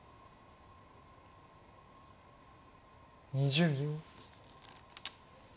２０秒。